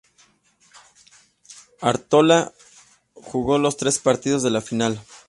Artola jugó los tres partidos de la final.